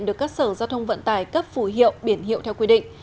được các sở giao thông vận tải cấp phủ hiệu biển hiệu theo quy định